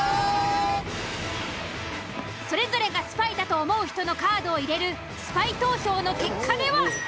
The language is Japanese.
それぞれがスパイだと思う人のカードを入れるスパイ投票の結果では。